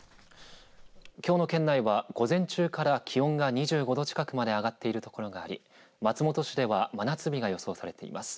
きょうの県内は午前中から気温が２５度近くまで上がっている所があり松本市では真夏日が予想されています。